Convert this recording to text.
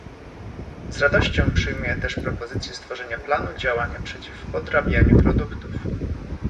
Z radością przyjmuję też propozycję stworzenia planu działania przeciw podrabianiu produktów